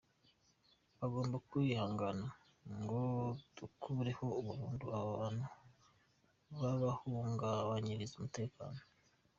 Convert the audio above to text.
Bagomba kwihangana ngo dukureho burundu aba bantu babahungabanyiriza umutekano.